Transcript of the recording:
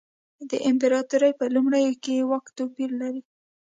د امپراتورۍ په لومړیو کې یې واک توپیر لري.